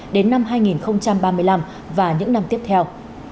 đến năm hai nghìn ba mươi năm và những năm tiếp theo